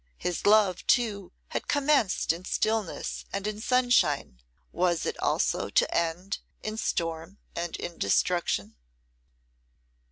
His love, too, had commenced in stillness and in sunshine; was it, also, to end in storm and in destruction?